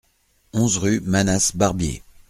onze rue Manasses Barbier